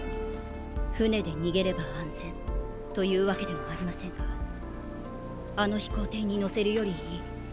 船で逃げれば安全というわけでもありませんがあの飛行艇に乗せるよりいい。